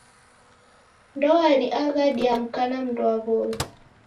Ndoa ni aghadi ya mka na mndu wa w'omi.